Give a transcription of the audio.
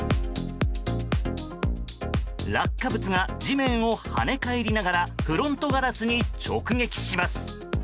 落下物が地面を跳ね返りながらフロントガラスに直撃します。